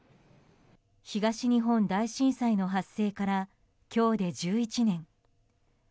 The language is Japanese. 東日本大震災の発生から今日で１１年。